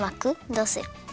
どうする？